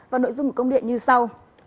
và nội dung của công điện như sau